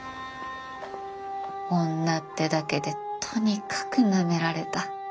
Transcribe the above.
女ってだけでとにかくなめられた。